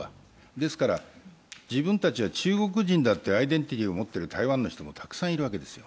ですから自分たちは中国人だとアイデンティティーを持っている台湾の人たちもたくさんいるわけです。